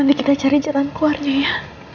nanti kita cari jalan keluarnya ya